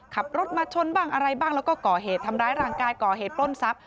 ขับรถมาชนบ้างอะไรบ้างแล้วก็ก่อเหตุทำร้ายร่างกายก่อเหตุปล้นทรัพย